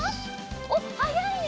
おっはやいね！